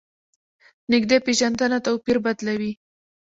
نږدې پېژندنه توپیر بدلوي.